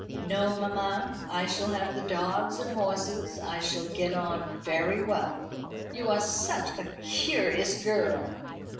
"No, mamma; I shall have the dogs and horses. I shall get on very well." "You are such a curious girl.